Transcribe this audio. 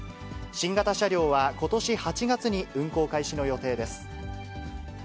新型車両はことし８月に運行開始の予定です。